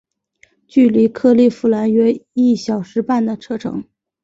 距离克利夫兰约一小时半的车程。